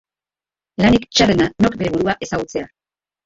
Lanik txarrena nork bere burua ezagutzea.